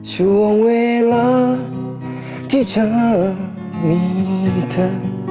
ช่วงเวลาที่เธอมีเธอ